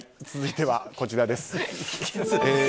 続いては、こちらです。